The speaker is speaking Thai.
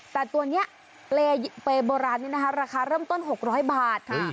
แต่ตัวนี้เปรย์โบราณนี้นะคะราคาเริ่มต้น๖๐๐บาทค่ะ